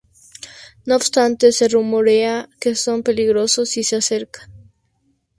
No obstante, se rumorea que son peligrosos si se acercan.